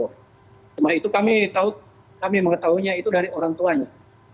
karena itu kami tahu kami mengetahuinya itu dari orang tuanya